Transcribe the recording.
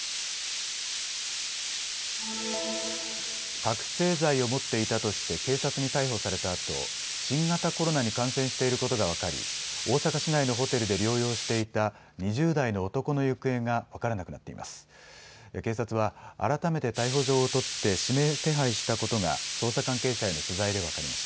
覚醒剤を持っていたとして警察に逮捕されたあと新型コロナに感染していることが分かり大阪市内のホテルで療養していた２０代の男の行方が分からなくなっています。